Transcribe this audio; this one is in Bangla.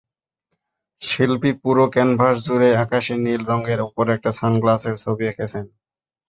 শিল্পী পুরো ক্যানভাসজুড়ে আকাশি নীল রঙের ওপর একটা সানগ্লাসের ছবি এঁকেছেন।